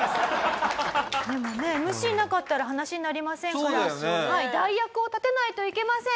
でもねＭＣいなかったら話になりませんから代役を立てないといけません。